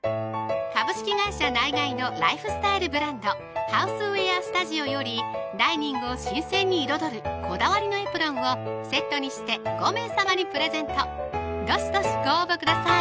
ナイガイのライフスタイルブランド「ＨＯＵＳＥＷＥＡＲＳＴＵＤＩＯ」よりダイニングを新鮮に彩るこだわりのエプロンをセットにして５名さまにプレゼントどしどしご応募ください